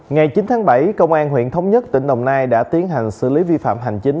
ngày chín tháng bảy công an huyện thống nhất tỉnh đồng nai đã tiến hành xử lý vi phạm hành chính